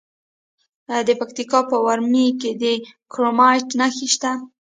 د پکتیکا په ورممی کې د کرومایټ نښې شته.